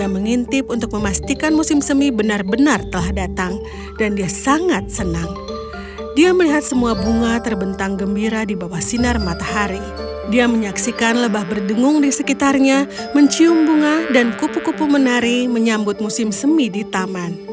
mencium bunga dan kupu kupu menari menyambut musim semi di taman